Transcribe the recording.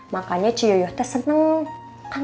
makanya ciyoyo teh seneng kan tkw nya ratusan